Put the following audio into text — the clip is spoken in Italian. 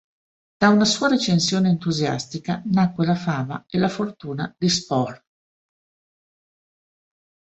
Da una sua recensione entusiastica nacque la fama e la fortuna di Spohr.